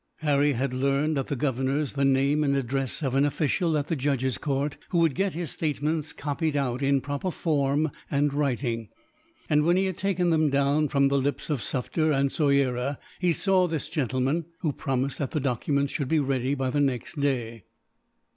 Harry had learned, at the Governor's, the name and address of an official at the Judge's Court who would get his statements copied out, in proper form and writing; and when he had taken them down from the lips of Sufder and Soyera, he saw this gentleman, who promised that the documents should be ready by the next day.